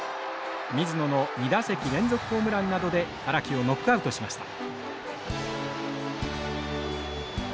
水野の２打席連続ホームランなどで荒木をノックアウトしました。